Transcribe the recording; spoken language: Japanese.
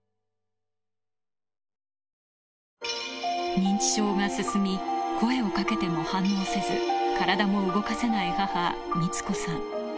認知症が進み、声をかけても反応せず、体も動かせない母、光子さん。